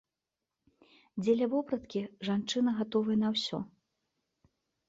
Дзеля вопраткі жанчына гатовая на ўсё.